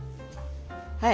はい。